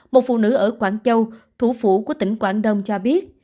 một phụ nữ ở quảng châu thủ phủ của tỉnh quảng đông cho biết